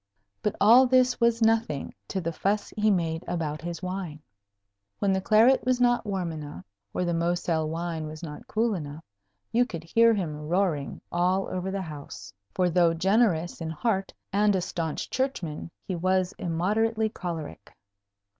But all this was nothing to the fuss he made about his wine. When the claret was not warm enough, or the Moselle wine was not cool enough, you could hear him roaring all over the house; for, though generous in heart and a staunch Churchman, he was immoderately choleric.